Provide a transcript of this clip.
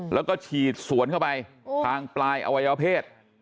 แล้วก็ฉีดสวนเข้าไปทางปลายอวัยวเพศ